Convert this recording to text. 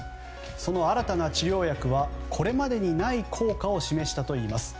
その新たな治療薬はこれまでにない効果を示したといいます。